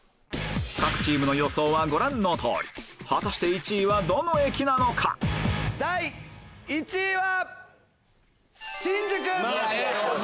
各チームの予想はご覧の通り果たして１位はどの駅なのか第１位は。